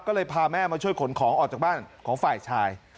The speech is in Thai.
ก็เลยพาแม่มาช่วยขนของออกจากบ้านของฝ่ายชาย